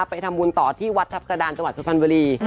ไปทำบุญต่อที่วัดทัพกระดานตะวัดสุภัณฑ์บรี